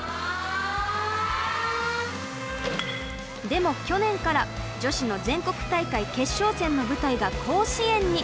でも去年から女子の全国大会決勝戦の舞台が甲子園に。